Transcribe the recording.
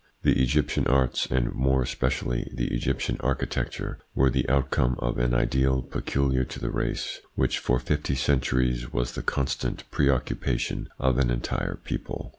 The Egyptian arts, and more especially the Egyp tian architecture, were the outcome of an ideal, peculiar to the race, which for fifty centuries was the constant pre occupation of an entire people.